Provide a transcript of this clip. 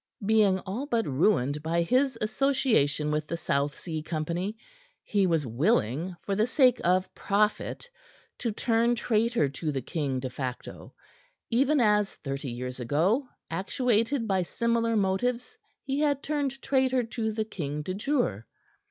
Being all but ruined by his association with the South Sea Company, he was willing for the sake of profit to turn traitor to the king de facto, even as thirty years ago, actuated by similar motives, he had turned traitor to the king de jure.